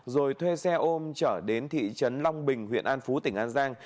rồi thuê xe ôm trở đến thị trấn long bình huyện an phú tỉnh an giang